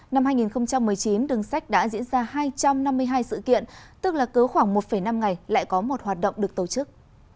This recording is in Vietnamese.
năm hai nghìn một mươi chín đường sách đã diễn ra hai trăm năm mươi hai sự kiện tức là cứ khoảng một năm ngày lại có một hoạt động được tổ chức